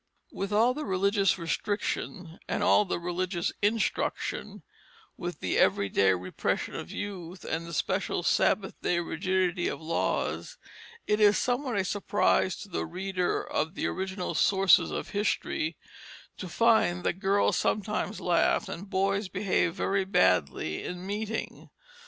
With all the religious restriction, and all the religious instruction, with the everyday repression of youth and the special Sabbath day rigidity of laws, it is somewhat a surprise to the reader of the original sources of history to find that girls sometimes laughed, and boys behaved very badly in meeting.